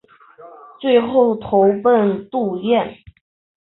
最后投奔杜弢。